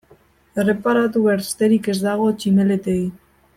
Erreparatu besterik ez dago tximeletei.